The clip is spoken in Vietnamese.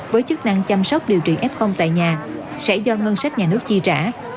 với chức năng chăm sóc điều trị f tại nhà sẽ do ngân sách nhà nước chi trả